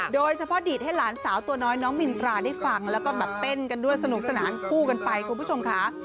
โดยเฉพาะดีดให้หลานสาวตัวน้อยน้องมินตราได้ฟังแล้วก็แบบเต้นกันด้วยสนุกสนานคู่กันไปคุณผู้ชมค่ะ